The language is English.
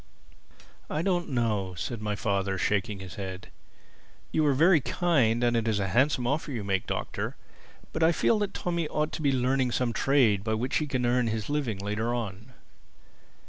"I don't know," said my father, shaking his head. "You are very kind and it is a handsome offer you make, Doctor. But I feel that Tommy ought to be learning some trade by which he can earn his living later on."